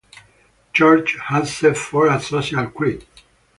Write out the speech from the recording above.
Church has set forth a Social Creed.